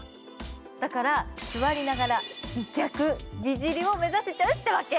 だから座りながら美脚、美尻を目指せちゃうってわけ。